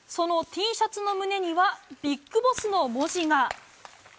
そのＴシャツの胸にはビッグボスの文字が。